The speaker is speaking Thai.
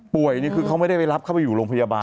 นี่คือเขาไม่ได้ไปรับเข้าไปอยู่โรงพยาบาล